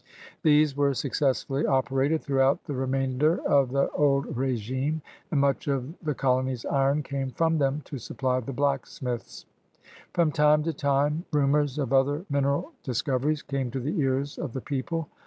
These were successfully operated throughout the remain der of the Old Regime, and much of the colony's iron came from them to supply the blacksmiths. From time to time rumors of other mineral dis coveries came to the ears of the people.